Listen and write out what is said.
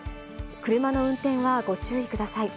車の運転はご注意ください。